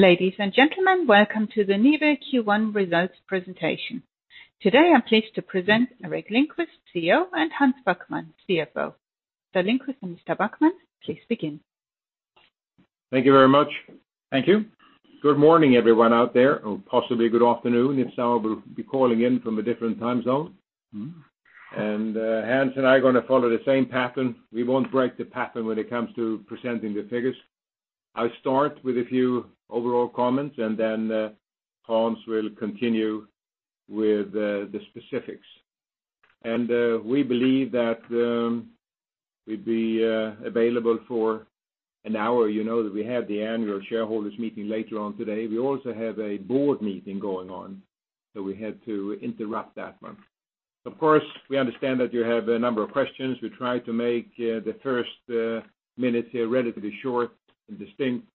Ladies and gentlemen, welcome to the Nibe Q1 results presentation. Today, I'm pleased to present Gerteric Lindquist, CEO, and Hans Backman, CFO. Mr. Lindquist and Mr. Backman, please begin. Thank you very much. Thank you. Good morning, everyone out there, or possibly good afternoon if some will be calling in from a different time zone. Hans and I are going to follow the same pattern. We won't break the pattern when it comes to presenting the figures. I'll start with a few overall comments. Hans will continue with the specifics. We believe that we'd be available for an hour. You know that we have the annual shareholders meeting later on today. We also have a board meeting going on. We had to interrupt that one. Of course, we understand that you have a number of questions. We try to make the first minutes here relatively short and distinct.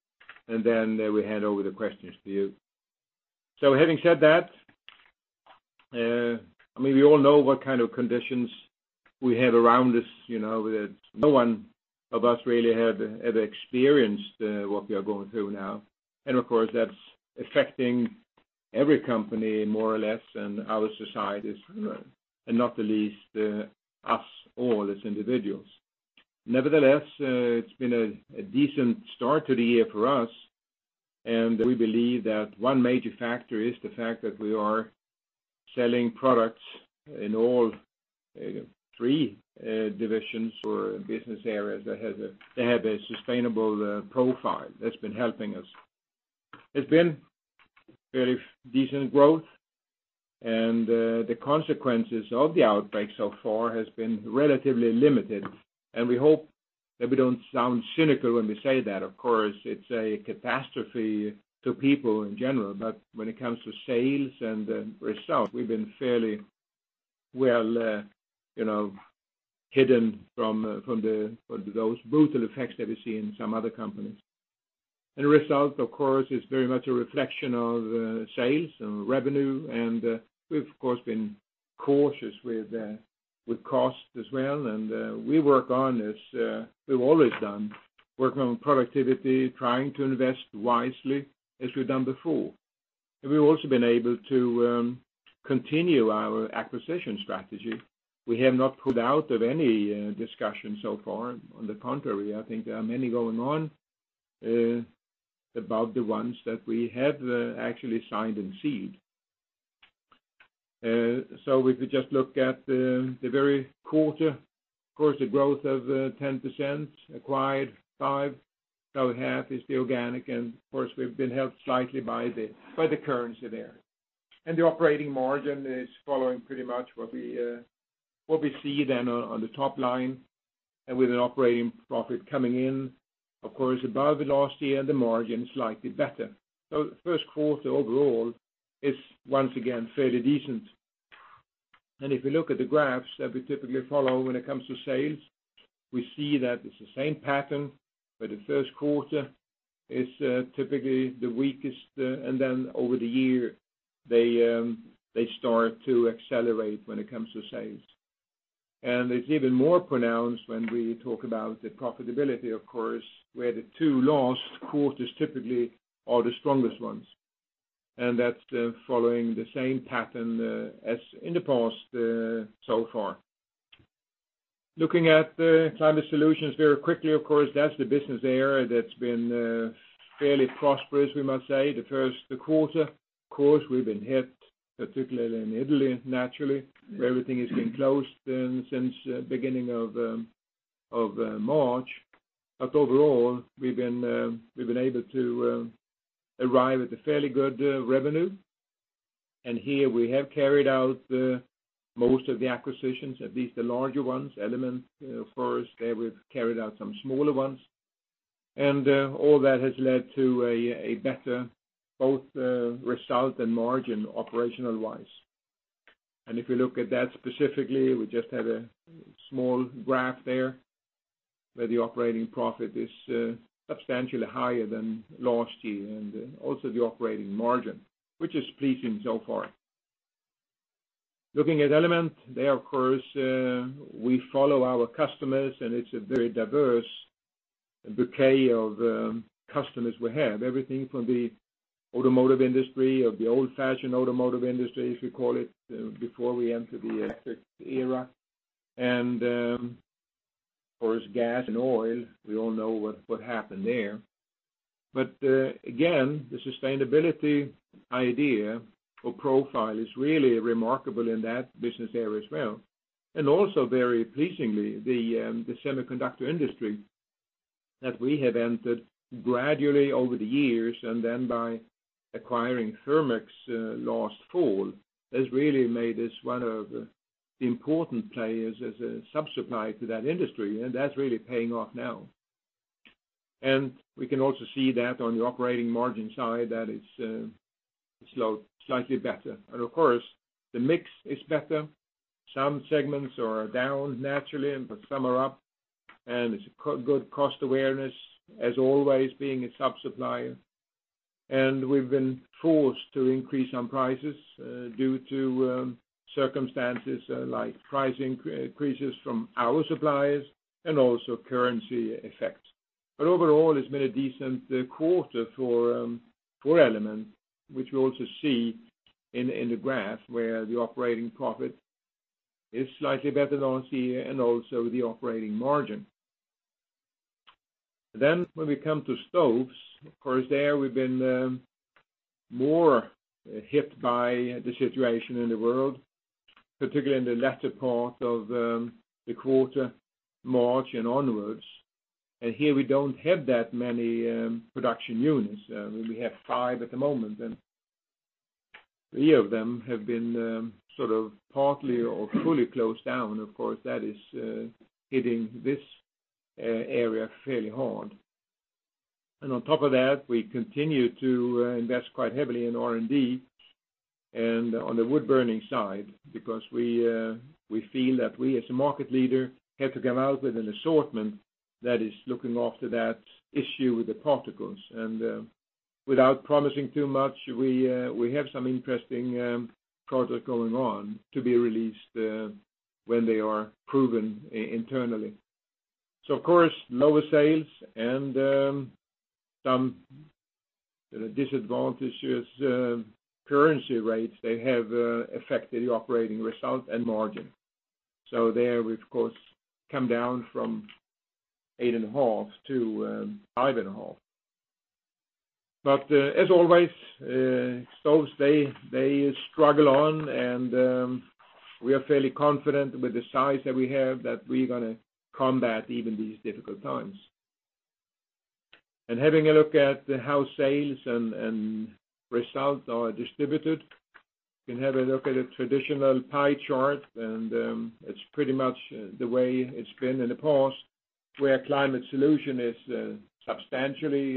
We hand over the questions to you. Having said that, we all know what kind of conditions we have around us. No one of us really have ever experienced what we are going through now. Of course, that's affecting every company more or less, and our societies, and not the least, us all as individuals. Nevertheless, it's been a decent start to the year for us, and we believe that one major factor is the fact that we are selling products in all three divisions or business areas that have a sustainable profile. That's been helping us. It's been very decent growth, and the consequences of the outbreak so far has been relatively limited, and we hope that we don't sound cynical when we say that. Of course, it's a catastrophe to people in general. When it comes to sales and result, we've been fairly well hidden from those brutal effects that we see in some other companies. The result, of course, is very much a reflection of sales and revenue, and we've, of course, been cautious with cost as well. We work on as we've always done, working on productivity, trying to invest wisely as we've done before. We've also been able to continue our acquisition strategy. We have not pulled out of any discussion so far. On the contrary, I think there are many going on about the ones that we have actually signed and sealed. If we just look at the very quarter. Of course, the growth of 10%, acquired five, so half is the organic. Of course, we've been helped slightly by the currency there. The operating margin is following pretty much what we see then on the top line. With an operating profit coming in, of course, above last year, the margin is slightly better. The first quarter overall is once again fairly decent. If we look at the graphs that we typically follow when it comes to sales, we see that it's the same pattern, where the first quarter is typically the weakest. Over the year, they start to accelerate when it comes to sales. It's even more pronounced when we talk about the profitability, of course, where the two last quarters typically are the strongest ones. That's following the same pattern as in the past so far. Looking at the NIBE Climate Solutions very quickly, of course, that's the business area that's been fairly prosperous, we must say. The first quarter, of course, we've been hit, particularly in Italy, naturally, where everything has been closed since beginning of March. Overall, we've been able to arrive at a fairly good revenue. Here we have carried out most of the acquisitions, at least the larger ones. Element, of course. There we've carried out some smaller ones. All that has led to a better both result and margin operational-wise. If you look at that specifically, we just have a small graph there, where the operating profit is substantially higher than last year, and also the operating margin, which is pleasing so far. Looking at Element, there of course, we follow our customers, and it's a very diverse bouquet of customers we have. Everything from the automotive industry or the old-fashioned automotive industry, as we call it, before we enter the electric era. Of course, gas and oil. We all know what happened there. Again, the sustainability idea or profile is really remarkable in that business area as well. Also very pleasingly, the semiconductor industry that we have entered gradually over the years, and then by acquiring Therm-X last fall, has really made us one of the important players as a sub-supplier to that industry. That's really paying off now. We can also see that on the operating margin side that it's slightly better. Of course, the mix is better. Some segments are down naturally, but some are up. It's good cost awareness as always being a sub-supplier. We've been forced to increase some prices due to circumstances like price increases from our suppliers and also currency effects. Overall, it's been a decent quarter for Elements, which we also see in the graph where the operating profit is slightly better than last year and also the operating margin. When we come to Stoves, of course there we've been more hit by the situation in the world, particularly in the latter part of the quarter, March and onwards. Here we don't have that many production units. We have five at the moment, and three of them have been partly or fully closed down. Of course, that is hitting this area fairly hard. On top of that, we continue to invest quite heavily in R&D and on the wood-burning side, because we feel that we, as a market leader, have to come out with an assortment that is looking after that issue with the particles. Without promising too much, we have some interesting products going on to be released when they are proven internally. Of course, lower sales and some disadvantages currency rates, they have affected the operating result and margin. There we've, of course, come down from 8.5% to 5.5%. As always, NIBE Stoves, they struggle on, and we are fairly confident with the size that we have that we're going to combat even these difficult times. Having a look at how sales and results are distributed, you can have a look at a traditional pie chart, and it's pretty much the way it's been in the past, where NIBE Climate Solutions is substantially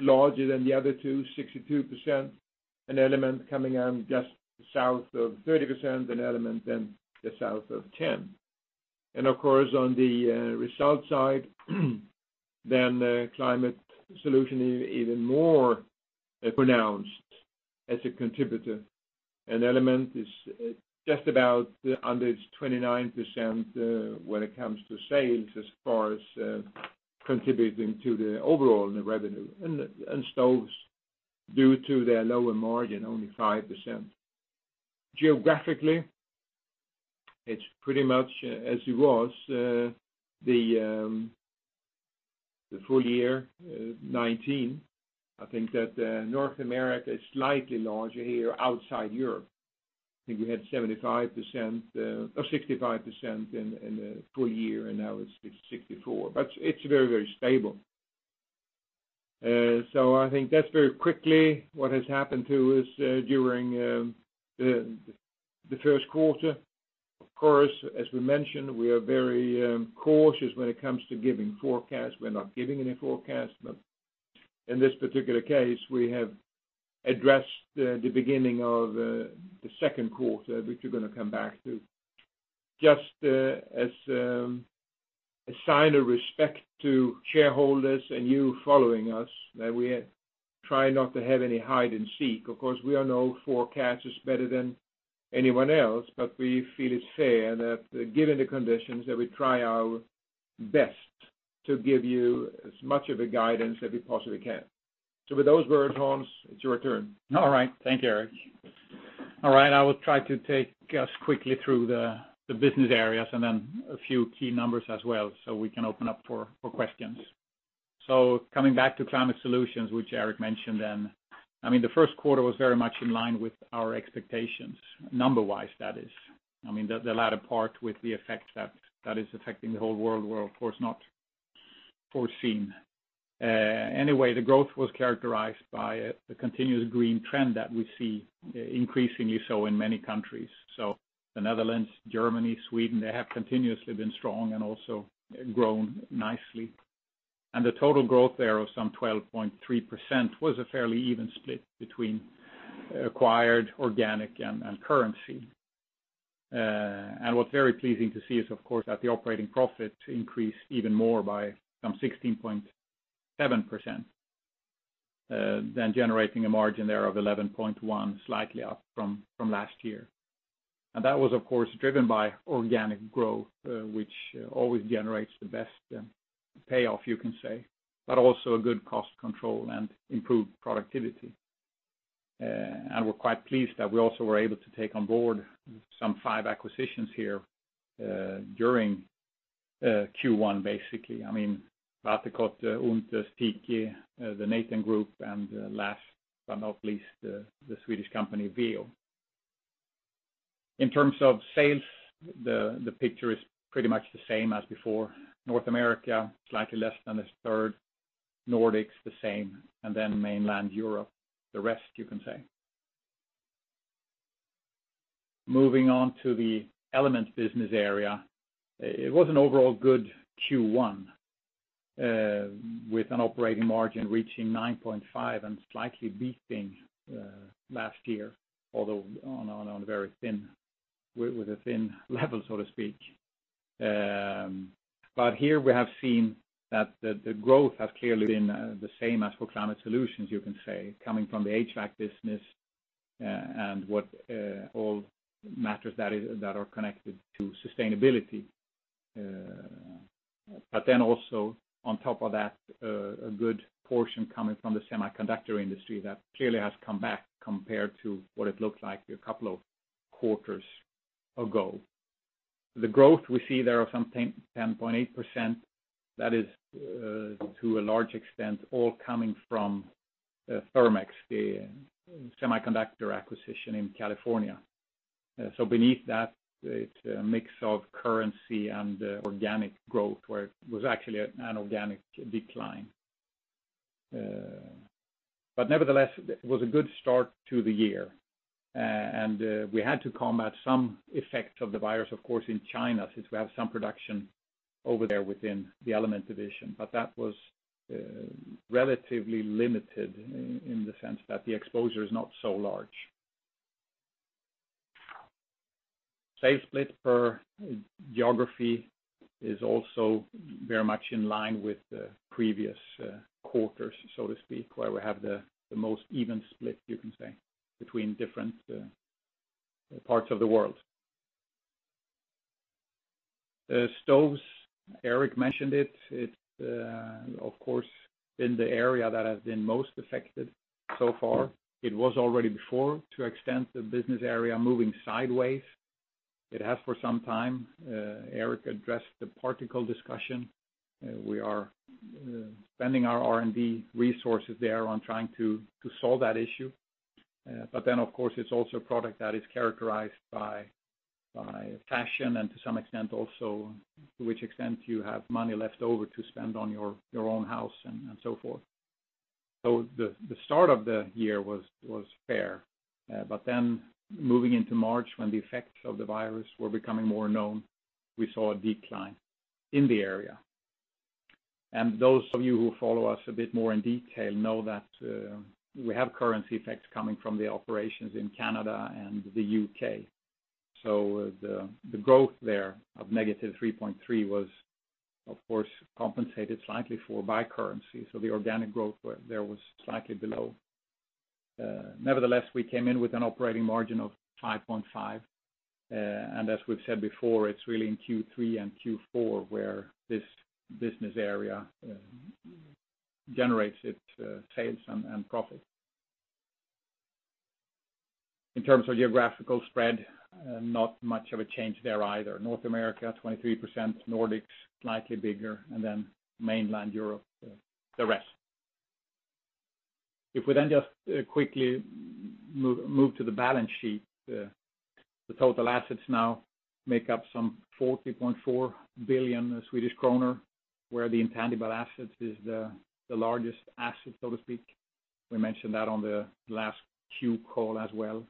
larger than the other two, 62%, and NIBE Element coming in just south of 30%, and NIBE Element then just south of 10%. Of course, on the result side, then NIBE Climate Solutions is even more pronounced as a contributor. NIBE Element is just about under its 29% when it comes to sales as far as contributing to the overall revenue. NIBE Stoves, due to their lower margin, only 5%. Geographically, it's pretty much as it was the full year 2019. I think that North America is slightly larger here outside Europe. I think we had 65% in the full year, and now it's 64%. It's very stable. I think that's very quickly what has happened to us during the first quarter. Of course, as we mentioned, we are very cautious when it comes to giving forecasts. We are not giving any forecast, but in this particular case, we have addressed the beginning of the second quarter, which we're going to come back to. Just as a sign of respect to shareholders and you following us that we try not to have any hide and seek. Of course, we are no forecasters better than anyone else, but we feel it's fair that given the conditions, that we try our best to give you as much of a guidance as we possibly can. With those words, Hans, it's your turn. All right. Thank you, Gerteric. All right, I will try to take us quickly through the business areas and then a few key numbers as well so we can open up for questions. Coming back to NIBE Climate Solutions, which Gerteric mentioned then, the first quarter was very much in line with our expectations, number-wise, that is. The latter part with the effect that is affecting the whole world were, of course, not foreseen. Anyway, the growth was characterized by the continuous green trend that we see increasingly so in many countries. The Netherlands, Germany, Sweden, they have continuously been strong and also grown nicely. The total growth there of some 12.3% was a fairly even split between acquired, organic, and currency. What is very pleasing to see is, of course, that the operating profits increased even more by some 16.7%, generating a margin there of 11.1%, slightly up from last year. That was, of course, driven by organic growth, which always generates the best payoff, you can say, but also a good cost control and improved productivity. We are quite pleased that we also were able to take on board some five acquisitions here during Q1, basically. I mean, Waterkotte, Üntes, Tiki, the Nathan Group, and last but not least, the Swedish company VEÅ. In terms of sales, the picture is pretty much the same as before. North America, slightly less than a third, Nordics the same, and mainland Europe, the rest, you can say. Moving on to the Elements business area. It was an overall good Q1 with an operating margin reaching 9.5% and slightly beating last year, although with a thin level, so to speak. Here we have seen that the growth has clearly been the same as for Climate Solutions, you can say, coming from the HVAC business and all matters that are connected to sustainability. Also on top of that, a good portion coming from the semiconductor industry that clearly has come back compared to what it looked like a couple of quarters ago. The growth we see there of something 10.8%, that is to a large extent all coming from Thermex, the semiconductor acquisition in California. Beneath that, it's a mix of currency and organic growth, where it was actually an organic decline. Nevertheless, it was a good start to the year. We had to combat some effects of the virus, of course, in China, since we have some production over there within the Element division. That was relatively limited in the sense that the exposure is not so large. Sales split per geography is also very much in line with the previous quarters, so to speak, where we have the most even split, you can say, between different parts of the world. Stoves, Gerteric mentioned it. It's, of course, been the area that has been most affected so far. It was already before, to extent the business area moving sideways. It has for some time. Gerteric addressed the particle discussion. We are spending our R&D resources there on trying to solve that issue. Of course, it's also a product that is characterized by fashion and to some extent also to which extent you have money left over to spend on your own house and so forth. The start of the year was fair. Moving into March, when the effects of the virus were becoming more known, we saw a decline in the area. Those of you who follow us a bit more in detail know that we have currency effects coming from the operations in Canada and the U.K. The growth there of -3.3% was, of course, compensated slightly for by currency. The organic growth there was slightly below. Nevertheless, we came in with an operating margin of 5.5%. As we've said before, it's really in Q3 and Q4 where this business area generates its sales and profit. In terms of geographical spread, not much of a change there either. North America, 23%, Nordics, slightly bigger, then mainland Europe, the rest. If we just quickly move to the balance sheet. The total assets now make up some 40.4 billion Swedish kronor, where the intangible assets is the largest asset, so to speak. We mentioned that on the last Q call as well,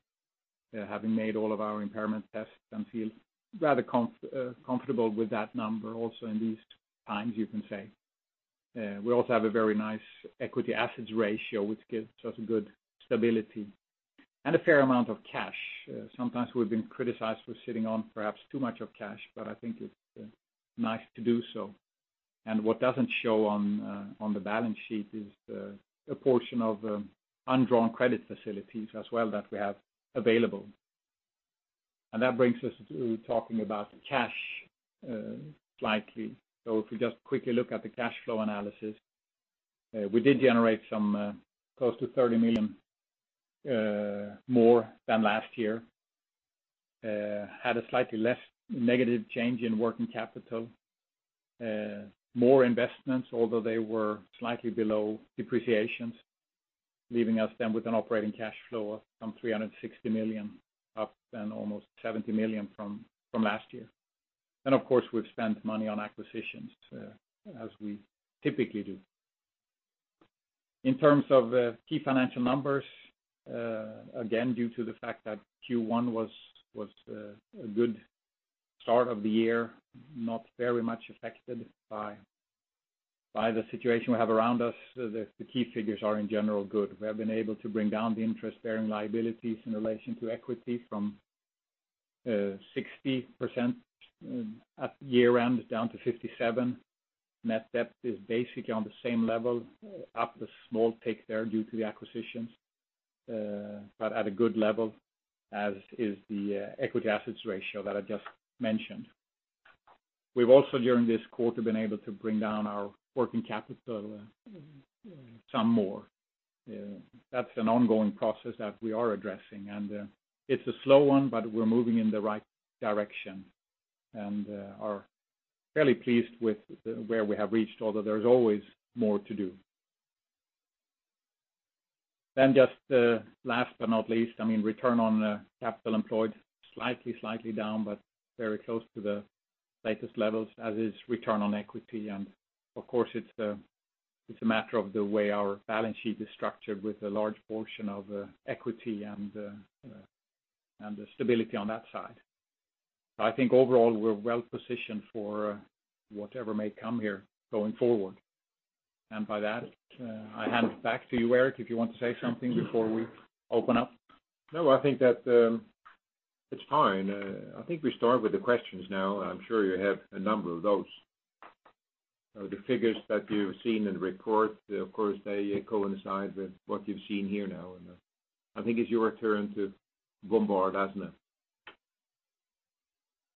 having made all of our impairment tests and feel rather comfortable with that number also in these times, you can say. We also have a very nice equity assets ratio, which gives us good stability. A fair amount of cash. Sometimes we've been criticized for sitting on perhaps too much cash, but I think it's nice to do so. What doesn't show on the balance sheet is a portion of undrawn credit facilities as well that we have available. That brings us to talking about cash slightly. If we just quickly look at the cash flow analysis. We did generate some close to 30 million more than last year. Had a slightly less negative change in working capital. More investments, although they were slightly below depreciations, leaving us with an operating cash flow of some 360 million, up almost 70 million from last year. Of course, we've spent money on acquisitions as we typically do. In terms of key financial numbers, again, due to the fact that Q1 was a good start of the year, not very much affected by the situation we have around us, the key figures are in general good. We have been able to bring down the interest-bearing liabilities in relation to equity from 60% at year-end down to 57%. Net debt is basically on the same level, up a small tick there due to the acquisitions, but at a good level, as is the equity assets ratio that I just mentioned. We've also during this quarter been able to bring down our working capital some more. That's an ongoing process that we are addressing. It's a slow one, but we're moving in the right direction and are fairly pleased with where we have reached, although there's always more to do. Just last but not least, return on capital employed, slightly down, but very close to the latest levels, as is return on equity. Of course, it's a matter of the way our balance sheet is structured with a large portion of equity and the stability on that side. I think overall, we're well-positioned for whatever may come here going forward. By that, I hand it back to you, Eric, if you want to say something before we open up. No, I think that it's fine. I think we start with the questions now. I'm sure you have a number of those. The figures that you've seen in the report, of course, they coincide with what you've seen here now. I think it's your turn to bombard us now.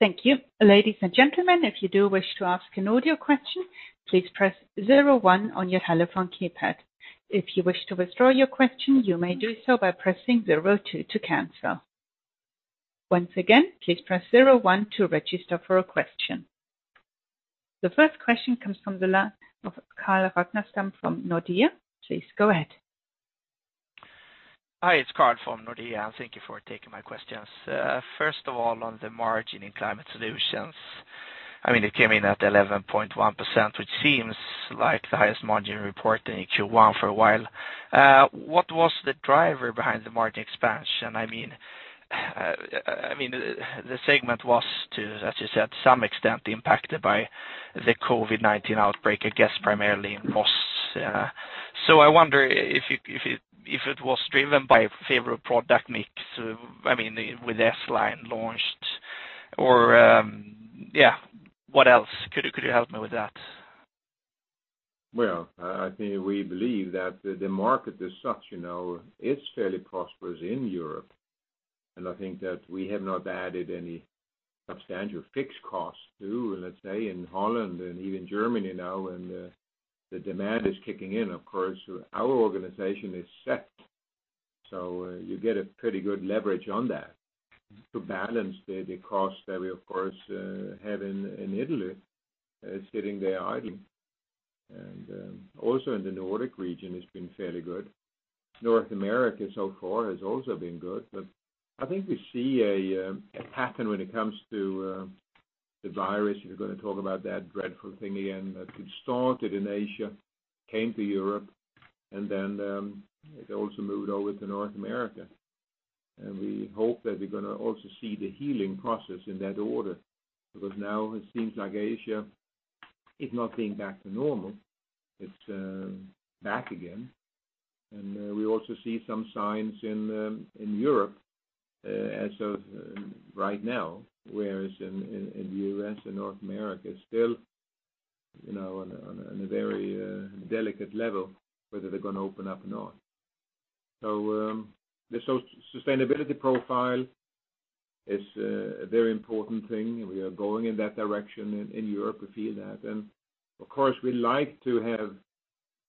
Thank you. Ladies and gentlemen, if you do wish to ask an audio question, please press 01 on your telephone keypad. If you wish to withdraw your question, you may do so by pressing 02 to cancel. Once again, please press 01 to register for a question. The first question comes from the line of Carl Ragnerstam from Nordea. Please go ahead. Hi, it's Carl from Nordea, and thank you for taking my questions. First of all, on the margin in Climate Solutions. It came in at 11.1%, which seems like the highest margin report in Q1 for a while. What was the driver behind the margin expansion? The segment was, as you said, to some extent impacted by the COVID-19 outbreak, I guess primarily in Rhoss. I wonder if it was driven by favorable product mix, with S-Series launched or what else? Could you help me with that? Well, I think we believe that the market is such, it's fairly prosperous in Europe. I think that we have not added any substantial fixed costs to, let's say, in Holland and even Germany now. The demand is kicking in. Of course, our organization is set. You get a pretty good leverage on that to balance the cost that we, of course, have in Italy, sitting there idle. Also in the Nordic region, it's been fairly good. North America so far has also been good. I think we see a pattern when it comes to the virus. We're going to talk about that dreadful thing again. That it started in Asia, came to Europe, and then it also moved over to North America. We hope that we're going to also see the healing process in that order, because now it seems like Asia is not being back to normal. It's back again. We also see some signs in Europe as of right now, whereas in the U.S. and North America, still on a very delicate level, whether they're going to open up or not. The sustainability profile is a very important thing, and we are going in that direction. In Europe, we feel that. Of course, we like to have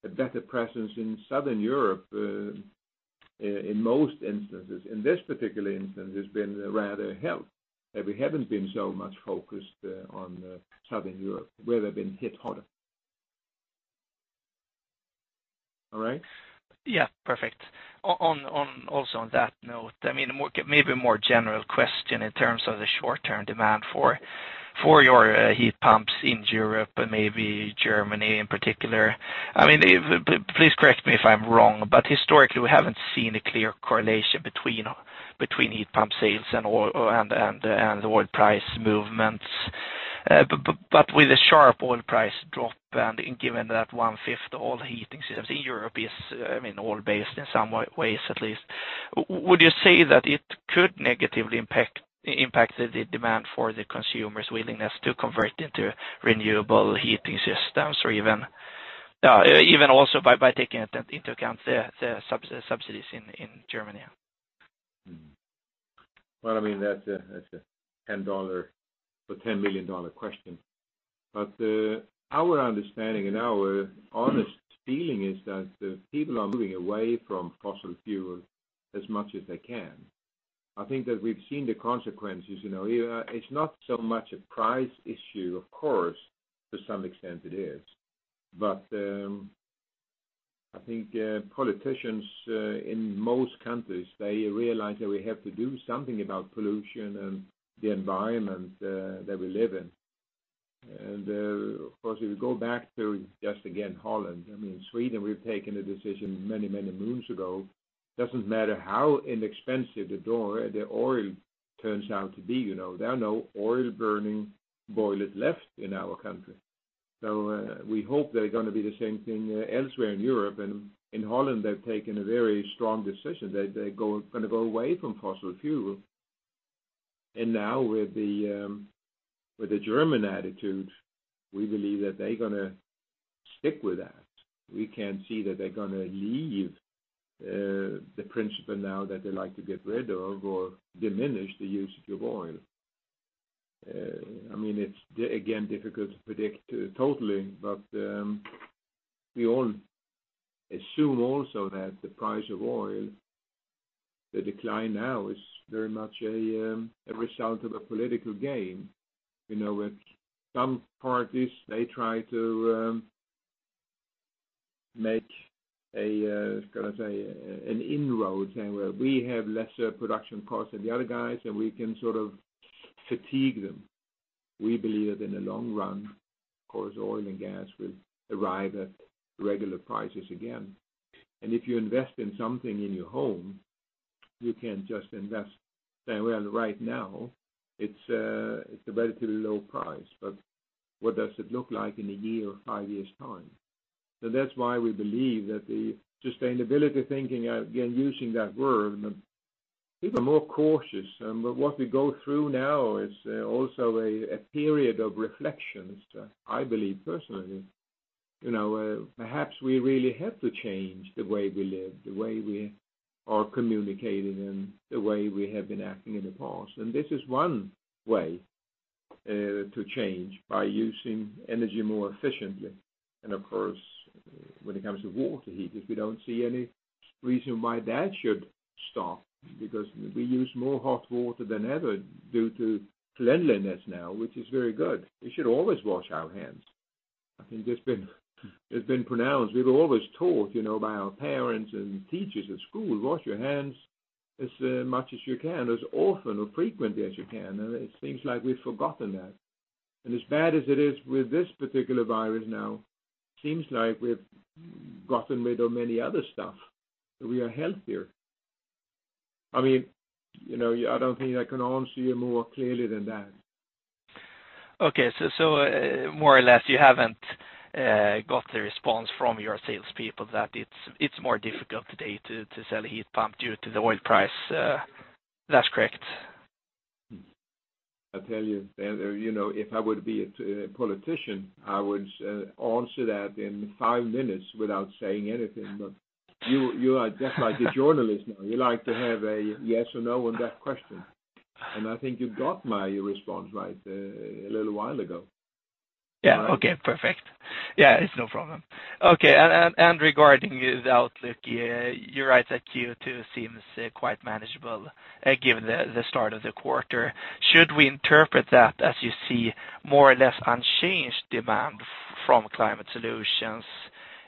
a better presence in Southern Europe, in most instances. In this particular instance, it's been rather helped that we haven't been so much focused on Southern Europe where they've been hit harder. All right? Yeah. Perfect. On that note, maybe a more general question in terms of the short-term demand for your heat pumps in Europe and maybe Germany in particular. Please correct me if I'm wrong, historically, we haven't seen a clear correlation between heat pump sales and oil price movements. With the sharp oil price drop, and given that one-fifth all heating systems in Europe is oil based in some ways at least, would you say that it could negatively impact the demand for the consumer's willingness to convert into renewable heating systems? Even also by taking into account the subsidies in Germany? Well, that's a SEK 10 or SEK 10 million question. Our understanding and our honest feeling is that the people are moving away from fossil fuel as much as they can. I think that we've seen the consequences. It's not so much a price issue. Of course, to some extent it is. I think politicians in most countries, they realize that we have to do something about pollution and the environment that we live in. Of course, if we go back to, just again, Holland. In Sweden, we've taken a decision many moons ago. Doesn't matter how inexpensive the oil turns out to be, there are no oil burning boilers left in our country. We hope they're going to be the same thing elsewhere in Europe. In Holland, they've taken a very strong decision. They're going to go away from fossil fuel. Now with the German attitude, we believe that they're going to stick with that. We can't see that they're going to leave the principle now that they like to get rid of or diminish the use of oil. It's, again, difficult to predict totally, but we all assume also that the price of oil, the decline now is very much a result of a political game. With some parties, they try to make, how can I say, an inroad saying, "Well, we have lesser production costs than the other guys, and we can sort of fatigue them." We believe that in the long run, of course, oil and gas will arrive at regular prices again. If you invest in something in your home. You can't just invest. Well, right now, it's a relatively low price, but what does it look like in a year or five years' time? That's why we believe that the sustainability thinking, again, using that word, but people are more cautious. What we go through now is also a period of reflection. I believe personally. Perhaps we really have to change the way we live, the way we are communicating, and the way we have been acting in the past. This is one way to change, by using energy more efficiently. Of course, when it comes to water heat, we don't see any reason why that should stop, because we use more hot water than ever due to cleanliness now, which is very good. We should always wash our hands. I think it's been pronounced. We were always taught by our parents and teachers at school, wash your hands as much as you can, as often or frequently as you can. It seems like we've forgotten that. As bad as it is with this particular virus now, seems like we've gotten rid of many other stuff. We are healthier. I don't think I can answer you more clearly than that. Okay. More or less, you haven't got the response from your salespeople that it's more difficult today to sell a heat pump due to the oil price. That's correct. I tell you, if I would be a politician, I would answer that in five minutes without saying anything. You are just like a journalist now. You like to have a yes or no on that question. I think you got my response right a little while ago. Yeah. Okay, perfect. Yeah, it's no problem. Okay, regarding the outlook, you're right that Q2 seems quite manageable given the start of the quarter. Should we interpret that as you see more or less unchanged demand from NIBE Climate Solutions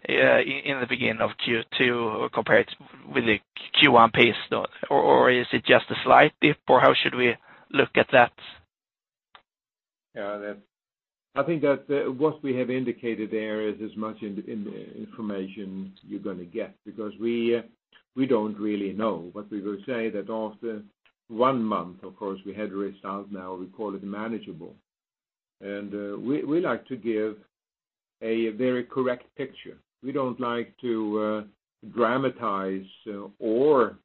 in the beginning of Q2 compared with the Q1 pace? Is it just a slight dip, or how should we look at that? Yeah. I think that what we have indicated there is as much information you're going to get because we don't really know. We will say that after one month, of course, we had results now we call it manageable. We like to give a very correct picture. We don't like to dramatize or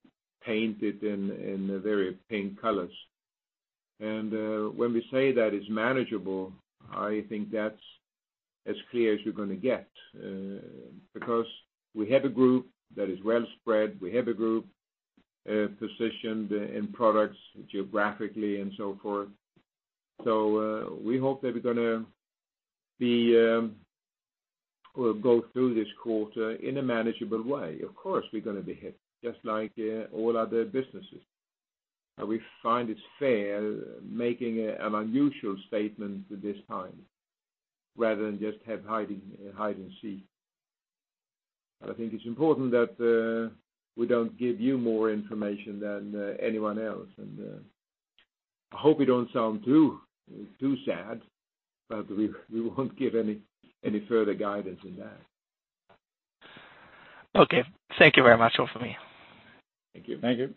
paint it in very pink colors. When we say that it's manageable, I think that's as clear as you're going to get. Because we have a group that is well spread. We have a group positioned in products geographically and so forth. We hope that we're going to go through this quarter in a manageable way. Of course, we're going to be hit just like all other businesses. We find it's fair making an unusual statement at this time rather than just have hide and seek. I think it's important that we don't give you more information than anyone else. I hope we don't sound too sad. We won't give any further guidance than that. Okay. Thank you very much. Over to you. Thank you.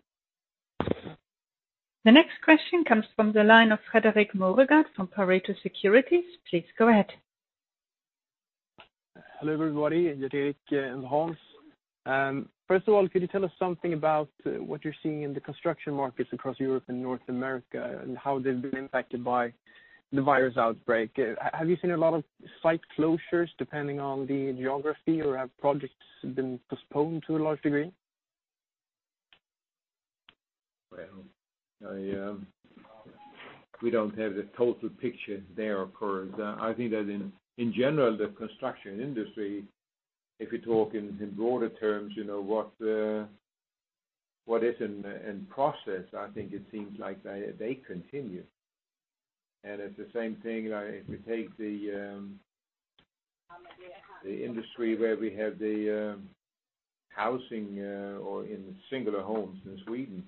The next question comes from the line of Fredrik Moregard from Pareto Securities. Please go ahead. Hello, everybody. It's Fredrik and Hans. First of all, could you tell us something about what you're seeing in the construction markets across Europe and North America and how they've been impacted by the virus outbreak? Have you seen a lot of site closures depending on the geography, or have projects been postponed to a large degree? Well, we don't have the total picture there, of course. I think that in general, the construction industry, if you talk in broader terms, what is in process, I think it seems like they continue. It's the same thing if you take the industry where we have the housing or in singular homes in Sweden.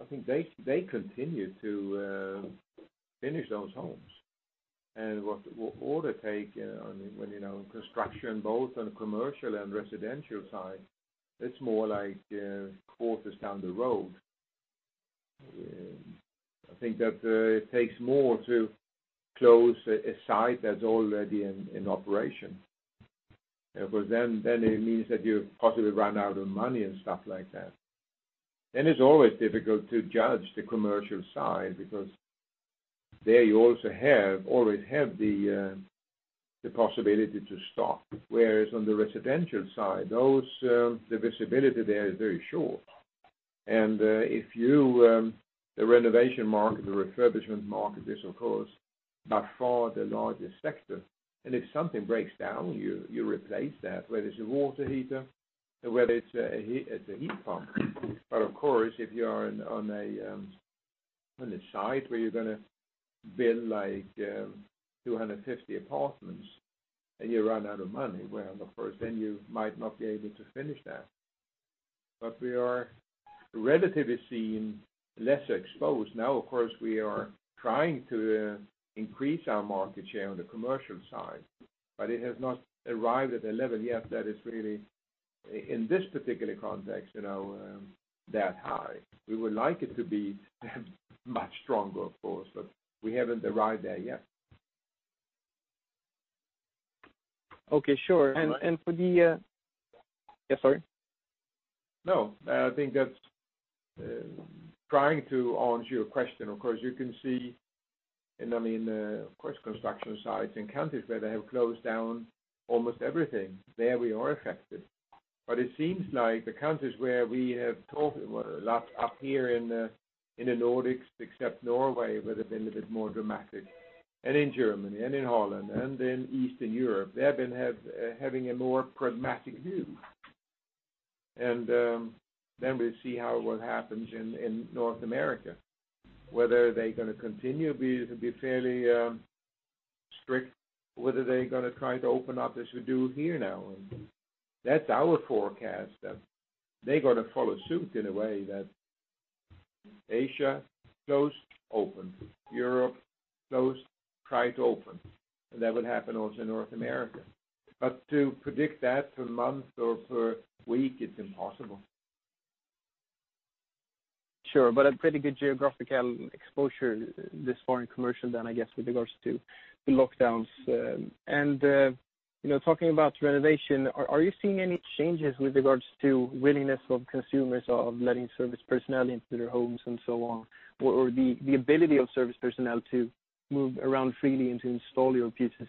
I think they continue to finish those homes. What order intake, when construction both on commercial and residential side, it's more like quarters down the road. I think that it takes more to close a site that's already in operation. Then it means that you possibly run out of money and stuff like that. It's always difficult to judge the commercial side because there you also always have the possibility to stop. Whereas on the residential side, the visibility there is very short. The renovation market, the refurbishment market is, of course, by far the largest sector. If something breaks down, you replace that, whether it's a water heater or whether it's a heat pump. Of course, if you are on a site where you're going to build 250 apartments and you run out of money, well, of course, then you might not be able to finish that. We are relatively seen less exposed. Now, of course, we are trying to increase our market share on the commercial side. It has not arrived at a level yet that is really, in this particular context, that high. We would like it to be much stronger, of course, but we haven't arrived there yet. Okay. Sure. Sorry. No, I think that's trying to answer your question. Of course, you can see, of course, construction sites in countries where they have closed down almost everything. There, we are affected. It seems like the countries where we have talked a lot up here in the Nordics, except Norway, where they've been a bit more dramatic, in Germany, in Holland, and in Eastern Europe, they have been having a more pragmatic view. We'll see what happens in North America, whether they're going to continue to be fairly strict, or whether they're going to try to open up as we do here now. That's our forecast, that they're going to follow suit in a way that Asia closed, open. Europe closed, try to open. That would happen also in North America. To predict that per month or per week, it's impossible. Sure. A pretty good geographical exposure, this foreign commercial then, I guess, with regards to the lockdowns. Talking about renovation, are you seeing any changes with regards to willingness of consumers of letting service personnel into their homes and so on? Or the ability of service personnel to move around freely and to install your pieces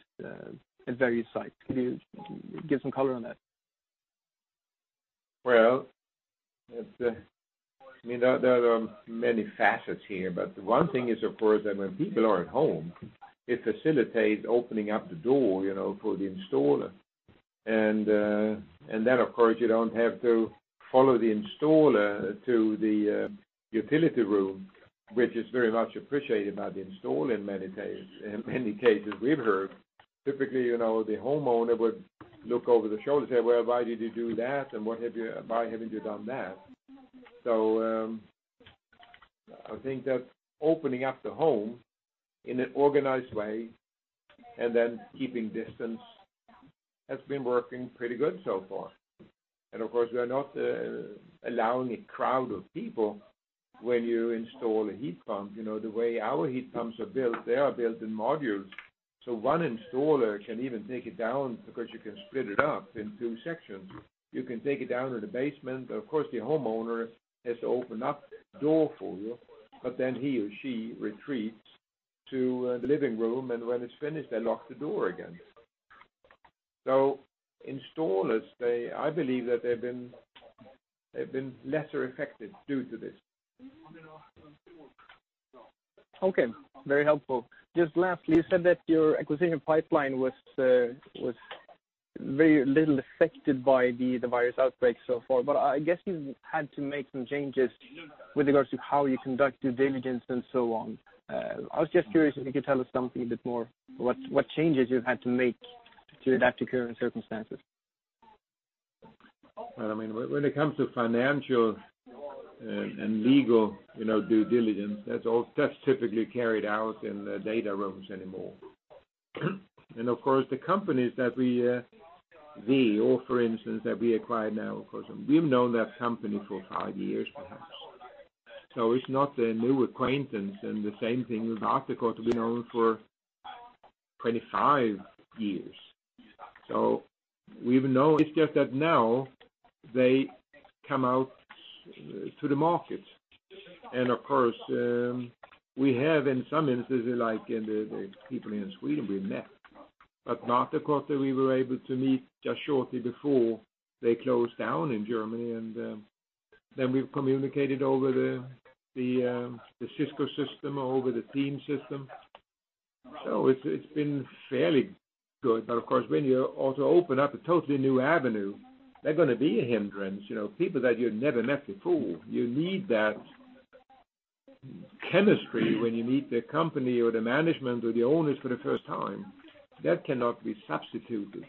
at various sites? Could you give some color on that? Well, there are many facets here. One thing is, of course, that when people are at home, it facilitates opening up the door for the installer. Of course, you don't have to follow the installer to the utility room, which is very much appreciated by the installer in many cases we've heard. Typically, the homeowner would look over the shoulder and say, "Well, why did you do that? Why haven't you done that?" I think that opening up the home in an organized way, keeping distance has been working pretty good so far. Of course, we are not allowing a crowd of people when you install a heat pump. The way our heat pumps are built, they are built in modules. One installer can even take it down because you can split it up in two sections. You can take it down to the basement. Of course, the homeowner has to open up the door for you. He or she retreats to the living room. When it's finished, they lock the door again. Installers, I believe that they've been lesser affected due to this. Okay. Very helpful. Just lastly, you said that your acquisition pipeline was very little affected by the virus outbreak so far. I guess you've had to make some changes with regards to how you conduct due diligence and so on. I was just curious if you could tell us something a bit more. What changes you've had to make to adapt to current circumstances? Well, when it comes to financial and legal due diligence, that's typically carried out in the data rooms anymore. Of course, the companies that we acquired now, of course, we've known that company for 5 years perhaps. It's not a new acquaintance. The same thing with Waterkotte, we've known them for 25 years. We've known. It's just that now they come out to the market. Of course, we have, in some instances, like in the people here in Sweden, we've met. Waterkotte, we were able to meet just shortly before they closed down in Germany. We've communicated over the Cisco system, over the Teams system. It's been fairly good. Of course, when you ought to open up a totally new avenue, there are going to be a hindrance, people that you've never met before. You need that chemistry when you meet the company or the management or the owners for the first time. That cannot be substituted.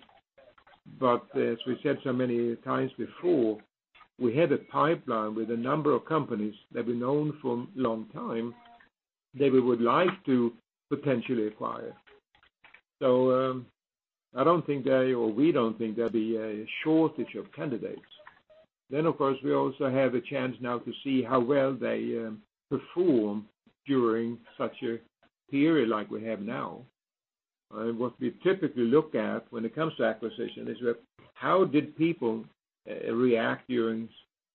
As we said so many times before, we have a pipeline with a number of companies that we've known for a long time that we would like to potentially acquire. I don't think they, or we don't think there'll be a shortage of candidates. Of course, we also have a chance now to see how well they perform during such a period like we have now. What we typically look at when it comes to acquisition is how did people react during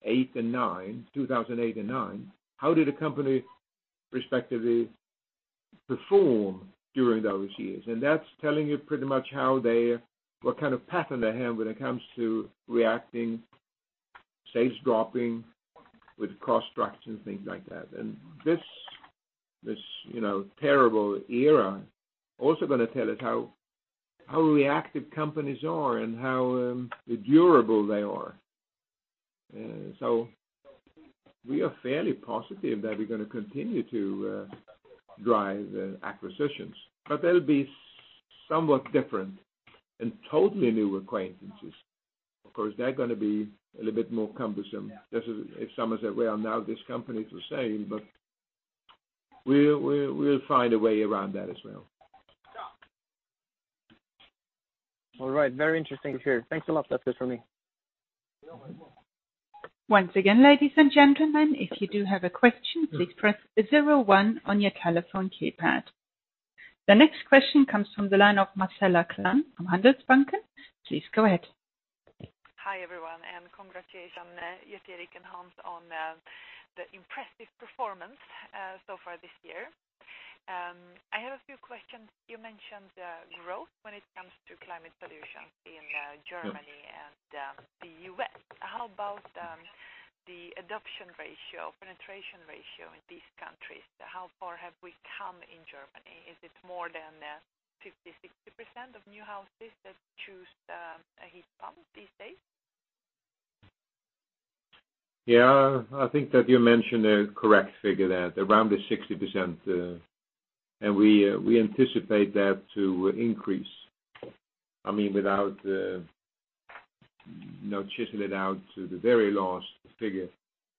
2008 and 2009? How did a company respectively perform during those years? That's telling you pretty much what kind of pattern they have when it comes to reacting, sales dropping with cost structure and things like that. This terrible era also going to tell us how reactive companies are and how durable they are. We are fairly positive that we're going to continue to drive acquisitions, but they'll be somewhat different and totally new acquaintances. Of course, they're going to be a little bit more cumbersome. Just as if someone said, "Well, now this company is the same." We'll find a way around that as well. All right. Very interesting to hear. Thanks a lot. That's it for me. Once again, ladies and gentlemen, if you do have a question, please press 01 on your telephone keypad. The next question comes from the line of Marcela Klang from Handelsbanken. Please go ahead. Hi, everyone, congratulations, Gerteric and Hans, on the impressive performance so far this year. I have a few questions. You mentioned growth when it comes to NIBE Climate Solutions in Germany and the U.S. How about the adoption ratio, penetration ratio in these countries? How far have we come in Germany? Is it more than 50%, 60% of new houses that choose a heat pump these days? Yeah, I think that you mentioned a correct figure there, around the 60%. We anticipate that to increase. Without chiseling it out to the very last figure,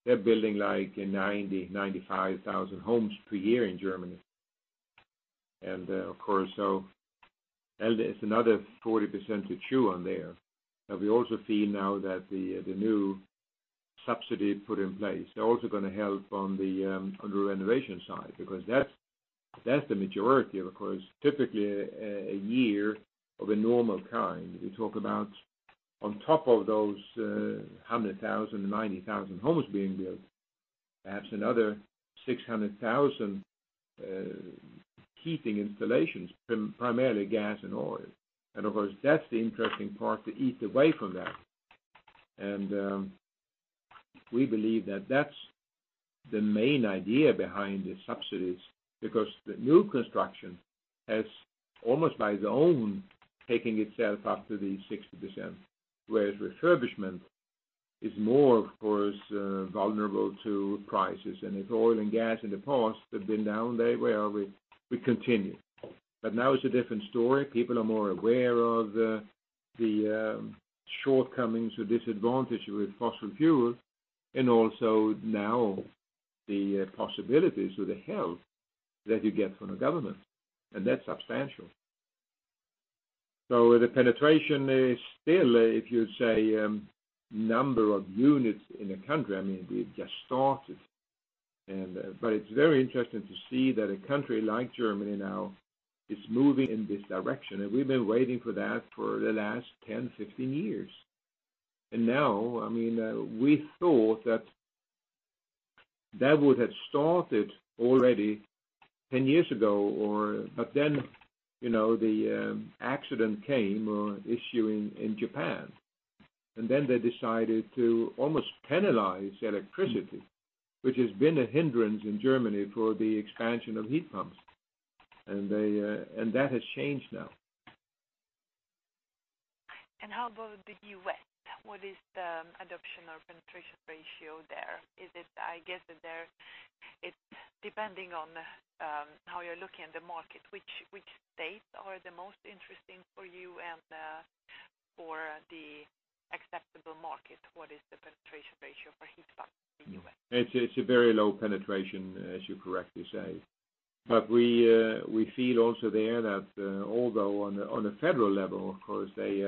they're building 90,000, 95,000 homes per year in Germany. Of course, it's another 40% to chew on there. We also see now that the new subsidy put in place, they're also going to help on the renovation side, because that's the majority. Of course, typically a year of a normal kind, we talk about on top of those 100,000, 90,000 homes being built, perhaps another 600,000 heating installations, primarily gas and oil. Of course, that's the interesting part to eat away from that. We believe that's the main idea behind the subsidies, because the new construction has almost by its own taken itself up to the 60%, whereas refurbishment is more, of course, vulnerable to prices. If oil and gas in the past have been down, they will continue. Now it's a different story. People are more aware of the shortcomings or disadvantage with fossil fuels, and also now the possibilities or the help that you get from the government, and that's substantial. The penetration is still, if you say, number of units in the country, we've just started. It's very interesting to see that a country like Germany now is moving in this direction. We've been waiting for that for the last 10, 15 years. Now, we thought that would have started already 10 years ago, but then the accident came or issue in Japan. They decided to almost penalize electricity, which has been a hindrance in Germany for the expansion of heat pumps. That has changed now. How about the U.S.? What is the adoption or penetration ratio there? I guess that it's depending on how you're looking at the market. Which states are the most interesting for you and for the acceptable market? What is the penetration ratio for heat pumps in the U.S.? It's a very low penetration, as you correctly say. We feel also there that although on a federal level, of course, they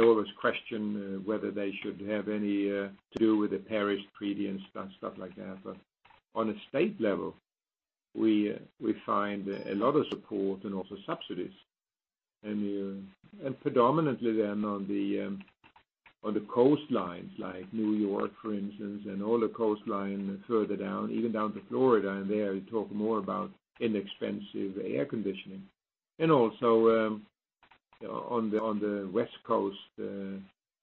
always question whether they should have any to do with the parish, county, and stuff like that. On a state level, we find a lot of support and also subsidies. Predominantly they're on the coastlines, like New York, for instance, and all the coastline further down, even down to Florida, and there you talk more about inexpensive air conditioning. Also on the West Coast,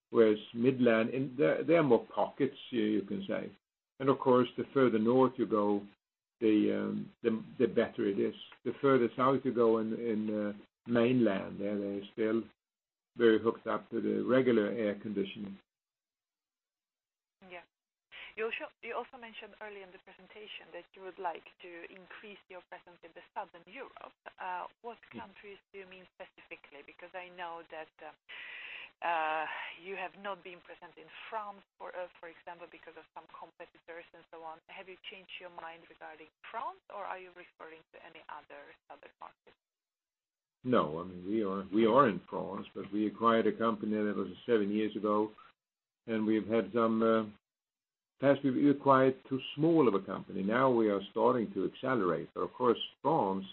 whereas Midwest, they are more pockets, you can say. Of course, the further north you go, the better it is. The further south you go in the mainland, they're still very hooked up to the regular air conditioning. Yeah. You also mentioned earlier in the presentation that you would like to increase your presence in Southern Europe. What countries do you mean specifically? I know that you have not been present in France, for example, because of some competitors and so on. Have you changed your mind regarding France, or are you referring to any other Southern market? No. We are in France, but we acquired a company that was seven years ago, and we've had, perhaps we've acquired too small of a company. Now we are starting to accelerate. Of course, France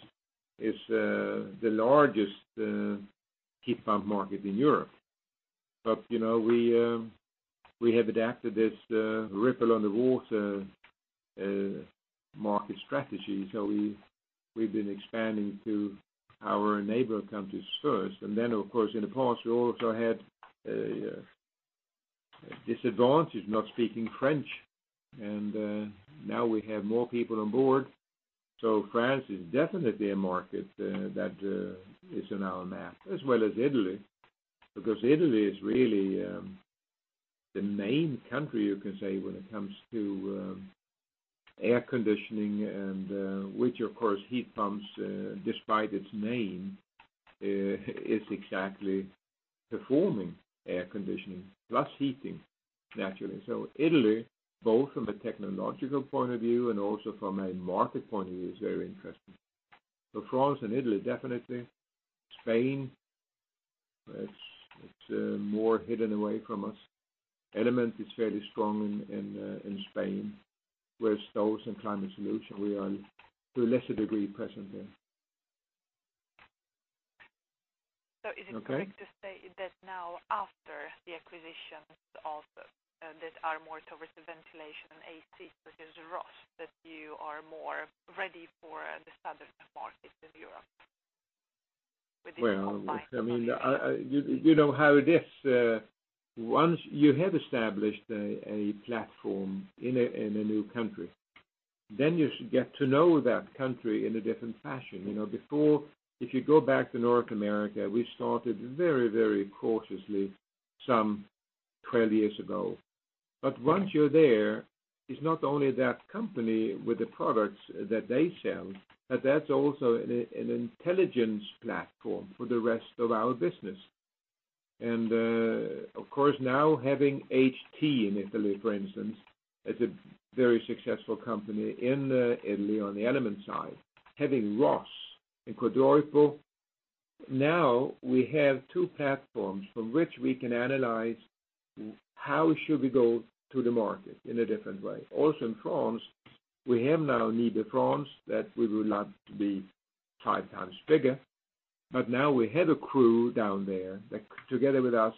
is the largest heat pump market in Europe. We have adapted this ripple on the water market strategy. Of course, in the past, we also had a disadvantage not speaking French. Now we have more people on board. France is definitely a market that is on our map, as well as Italy, because Italy is really the main country, you can say, when it comes to air conditioning. Which, of course, heat pumps, despite its name, is exactly performing air conditioning plus heating, naturally. Italy, both from a technological point of view and also from a market point of view, is very interesting. France and Italy, definitely. Spain, it's more hidden away from us. Element is fairly strong in Spain, where Stoves and Climate Solutions, we are to a lesser degree present there. Okay. Is it correct to say that now after the acquisitions that are more towards the ventilation and AC, such as Rhoss, that you are more ready for the southern markets of Europe with this combined offering? Well, you know how it is. Once you have established a platform in a new country, you should get to know that country in a different fashion. Before, if you go back to North America, we started very cautiously some 12 years ago. Once you're there, it's not only that company with the products that they sell, but that's also an intelligence platform for the rest of our business. Of course, now having HT in Italy, for instance, as a very successful company in Italy on the Element side, having ROS in Codogno. Now we have two platforms from which we can analyze how should we go to the market in a different way. Also in France, we have now NIBE France, that we would love to be five times bigger. Now we have a crew down there that, together with us,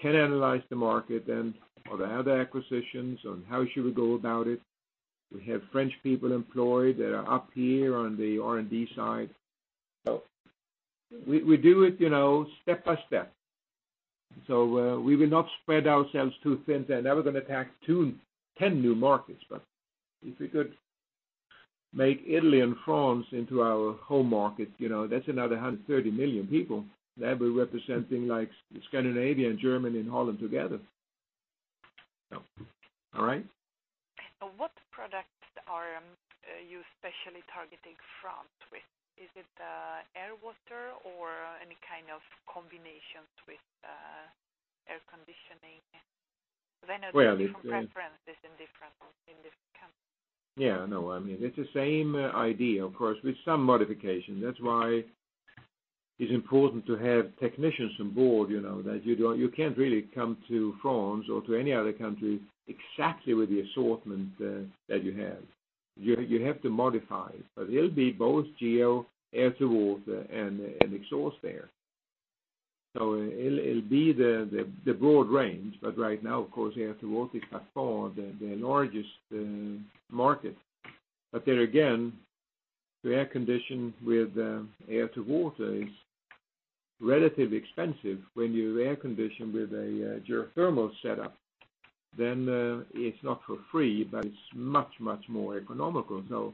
can analyze the market and all the other acquisitions on how should we go about it. We have French people employed that are up here on the R&D side. We do it step by step. We will not spread ourselves too thin, say, now we're going to attack 10 new markets. If we could make Italy and France into our home market, that's another 130 million people that will be representing like Scandinavia and Germany and Holland together. All right. What products are you especially targeting France with? Is it air-water or any kind of combinations with air conditioning? Well, it- [Venetians'] preference is in different in this country. Yeah, no, it's the same idea, of course, with some modification. That's why it's important to have technicians on board. You can't really come to France or to any other country exactly with the assortment that you have. You have to modify it. It'll be both geo, air-to-water, and exhaust air. It'll be the broad range, but right now, of course, air-to-water is by far the largest market. There again, to air condition with air-to-water is relatively expensive. When you air condition with a geothermal setup, then it's not for free, but it's much, much more economical.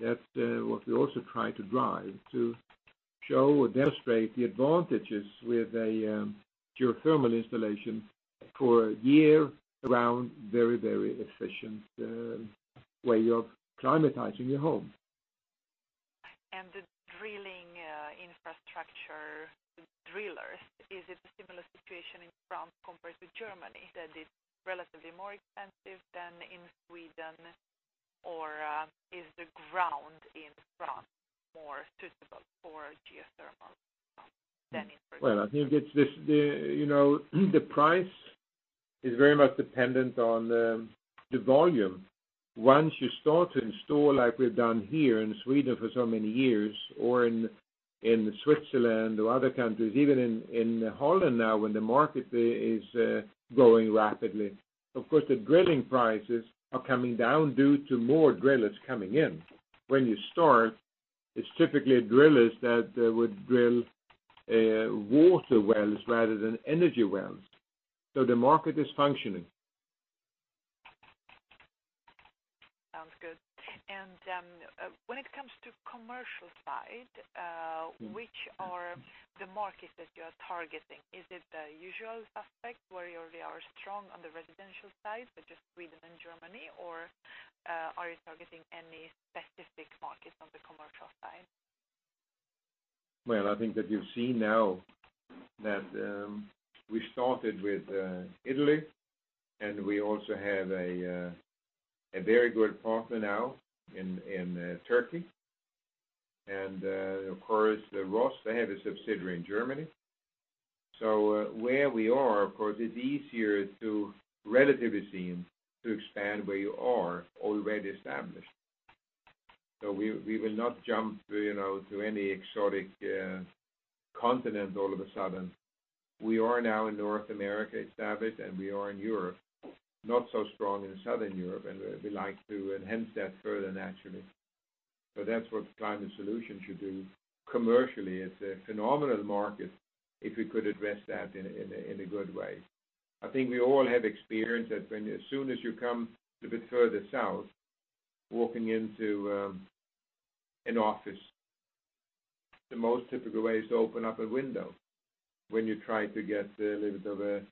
That's what we also try to drive, to show or demonstrate the advantages with a geothermal installation for a year-round, very efficient way of climatizing your home. The drilling infrastructure, the drillers, is it a similar situation in France compared with Germany, that it's relatively more expensive than in Sweden? Is the ground in France more suitable for geothermal than in Sweden? Well, I think the price is very much dependent on the volume. Once you start to install, like we've done here in Sweden for so many years, or in Switzerland or other countries, even in Holland now, when the market is growing rapidly. Of course, the drilling prices are coming down due to more drillers coming in. When you start, it is typically drillers that would drill water wells rather than energy wells. The market is functioning. Sounds good. When it comes to commercial side. Which are the markets that you are targeting? Is it the usual suspect where you already are strong on the residential side, such as Sweden and Germany, or are you targeting any specific markets on the commercial side? Well, I think that you've seen now that we started with Italy, we also have a very good partner now in Turkey. Of course, ROS, they have a subsidiary in Germany. Where we are, of course, it's easier to relatively seem to expand where you are already established. We will not jump to any exotic continents all of a sudden. We are now in North America established, we are in Europe, not so strong in Southern Europe, we like to enhance that further, naturally. That's what Climate Solutions should do commercially. It's a phenomenal market if we could address that in a good way. I think we all have experience that as soon as you come a bit further south, walking into an office, the most typical way is to open up a window when you try to get a little bit of a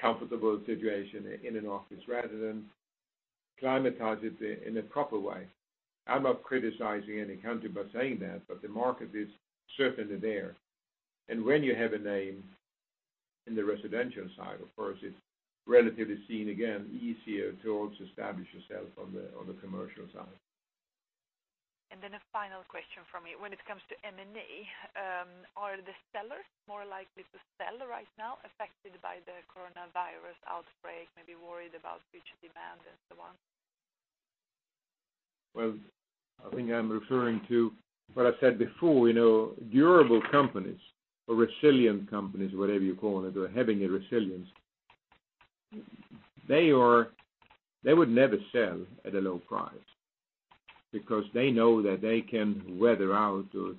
comfortable situation in an office, rather than climatize it in a proper way. I'm not criticizing any country by saying that, the market is certainly there. When you have a name in the residential side, of course, it's relatively seen, again, easier to also establish yourself on the commercial side. Then a final question from me. When it comes to M&A, are the sellers more likely to sell right now affected by the Coronavirus outbreak, maybe worried about future demand and so on? Well, I think I'm referring to what I said before. Durable companies or resilient companies, whatever you call it, are having a resilience. They would never sell at a low price, because they know that they can weather out or